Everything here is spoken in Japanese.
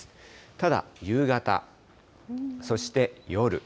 ただ、夕方、そして夜。